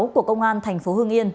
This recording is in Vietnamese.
của công an thành phố hương yên